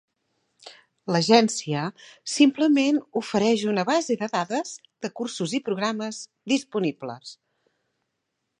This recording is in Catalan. L'agència simplement ofereix una base de dades de cursos i programes disponibles.